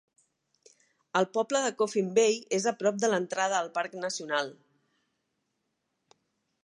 El poble de Coffin Bay és a prop de l'entrada al parc nacional.